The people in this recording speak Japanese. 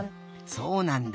そうなんだ。